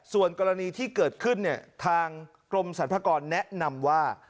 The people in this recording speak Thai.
ส่วนกรณีที่เกิดขึ้นเนี่ยทางกรมสรรพากรแนะนำว่า